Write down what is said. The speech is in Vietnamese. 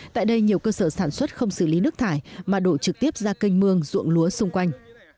tại đây nhiều cơ sở sản xuất không xử lý nước thải mà đổ trực tiếp ra kênh mương ruộng lúa xung quanh